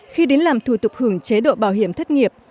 khi đến làm thủ tục hưởng chế độ bảo hiểm thất nghiệp